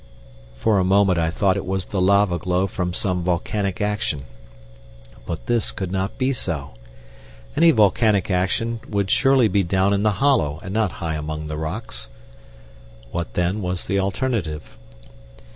For a moment I thought it was the lava glow from some volcanic action; but this could not be so. Any volcanic action would surely be down in the hollow and not high among the rocks. What, then, was the alternative?